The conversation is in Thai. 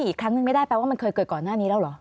อีกครั้งนึงไม่ได้แปลว่ามันเคยเกิดก่อนหน้านี้แล้วเหรอ